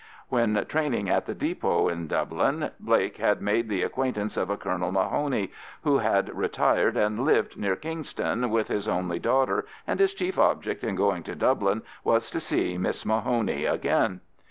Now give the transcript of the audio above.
When training at the depot in Dublin, Blake had made the acquaintance of a Colonel Mahoney, who had retired and lived near Kingstown with his only daughter, and his chief object in going to Dublin was to see Miss Mahoney again.